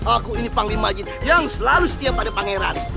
aku ini panglima jin yang selalu setia pada pangeran